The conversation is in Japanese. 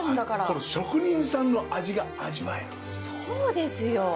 この職人さんの味が味わえるんですよ。